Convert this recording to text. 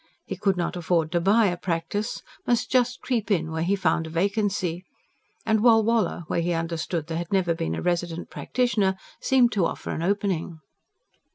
He could not afford to buy a practice, must just creep in where he found a vacancy. And Walwala, where he understood there had never been a resident practitioner, seemed to offer an opening.